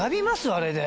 あれで。